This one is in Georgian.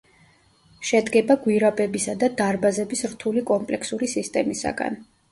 შედგება გვირაბებისა და დარბაზების რთული კომპლექსური სისტემისაგან.